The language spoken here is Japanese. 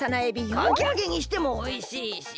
かきあげにしてもおいしいし